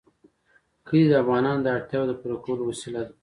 کلي د افغانانو د اړتیاوو د پوره کولو وسیله ده.